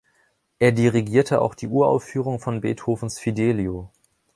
Er dirigierte auch die Uraufführung von Beethovens "Fidelio".